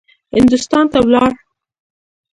هندوستان ته ولاړ.